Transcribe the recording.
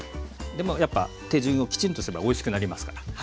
でもやっぱ手順をきちんとすればおいしくなりますから。